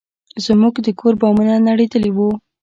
زموږ د کور بامونه نړېدلي وو.